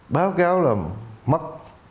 báo cáo là mất